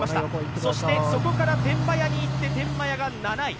そしてそこから天満屋にいって天満屋が７位。